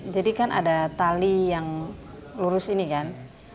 jadi kan ada tali yang lurus ini kan